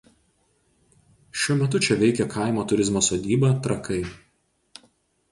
Šiuo metu čia veikia kaimo turizmo sodyba „Trakai“.